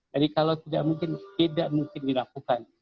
jadi kalau tidak mungkin tidak mungkin dilakukan